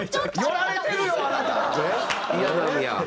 寄られてるよあなた！